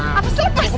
apa sih lo pasir